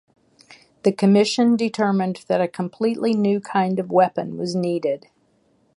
The Commission determined that a completely new kind of weapon was needed.